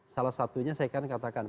salah satunya saya katakan